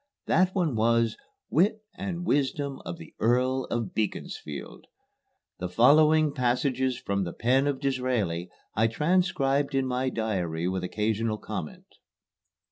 That one was, "Wit and Wisdom of the Earl of Beaconsfield." The following passages from the pen of Disraeli I transcribed in my diary with occasional comment.